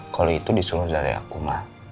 kalau itu disuruh dari aku ma